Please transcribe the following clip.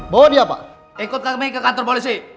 bawa dia pak ikut kami ke kantor polisi